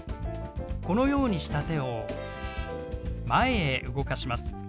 このようにした手を前へ動かします。